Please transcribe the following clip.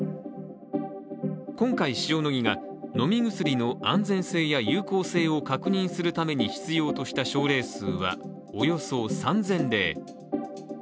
今回、塩野義が飲み薬の安全性や有効性を確認するために必要とした症例数は、およそ３０００例。